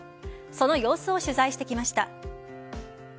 その様子を取材してきました。